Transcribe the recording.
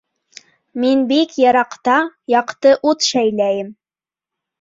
— Мин бик йыраҡтта яҡты ут шәйләйем.